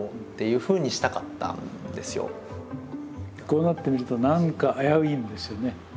こうなってみると何か危ういんですよね。